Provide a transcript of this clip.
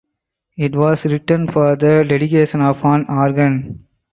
It was written for the dedication of an organ.